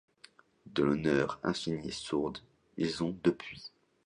De l’horreur infinie et sourde ; ils ont depuis